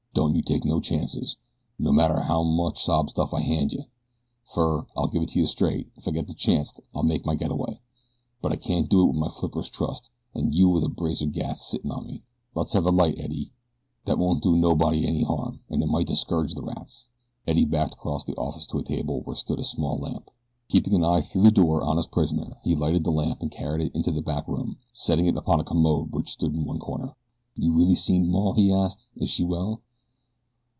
"Don't you take no chances, no matter how much sob stuff I hand you, fer, I'll give it to you straight, ef I get the chanct I'll make my get away; but I can't do it wit my flippers trussed, an' you wit a brace of gats sittin' on me. Let's have a light, Eddie. That won't do nobody any harm, an' it may discourage the rats." Eddie backed across the office to a table where stood a small lamp. Keeping an eye through the door on his prisoner he lighted the lamp and carried it into the back room, setting it upon a commode which stood in one corner. "You really seen maw?" he asked. "Is she well?"